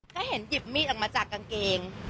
ก็เห็นหยิบมีดออกมาจากกางเกง